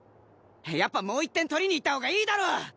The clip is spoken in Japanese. やっぱもう１点取りにいったほうがいいだろ！